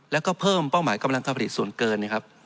แล้วก็เพิ่มเป้าหมายกำลังการผลิตส่วนเกินนะครับ